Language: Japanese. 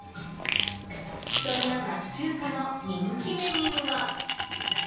そんな町中華の人気メニューは。